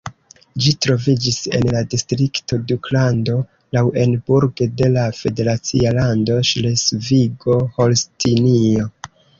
Ĝi troviĝis en la distrikto Duklando Lauenburg de la federacia lando Ŝlesvigo-Holstinio.